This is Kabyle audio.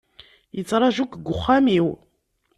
Yettraju-k deg uxxam-iw.